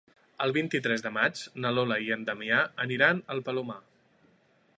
El vint-i-tres de maig na Lola i en Damià aniran al Palomar.